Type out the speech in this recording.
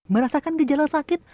merasakan gejala sakit